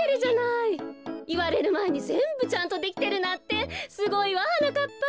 いわれるまえにぜんぶちゃんとできてるなんてすごいわはなかっぱ。